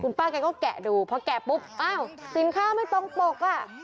ป้าแกก็แกะดูพอแกะปุ๊บอ้าวสินค้าไม่ตรงปกอ่ะ